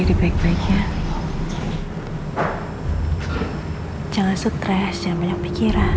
aku gak bisa ketemu mama lagi